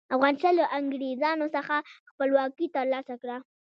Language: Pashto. افغانستان له انګریزانو څخه خپلواکي تر لاسه کړه.